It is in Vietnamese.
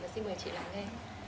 xin mời chị lắng nghe